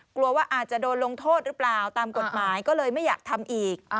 กลัวว่าอาจจะโดนลงโทษหรือเปล่าตามกฎหมายก็เลยไม่อยากทำอีก